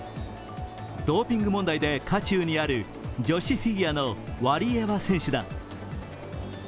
ドーピング問題で渦中にある女子フィギュアのワリエワ選手だ。